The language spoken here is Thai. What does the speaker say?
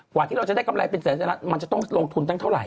กว่าที่เราจะได้กำไรเป็นแสนล้านมันจะต้องลงทุนตั้งเท่าไห